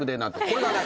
これがね